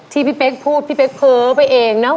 ที่พี่เป๊กพูดพี่เป๊กเพ้อไปเองนะ